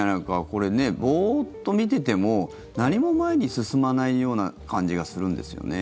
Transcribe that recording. これね、ボーッと見てても何も前に進まないような感じがするんですよね。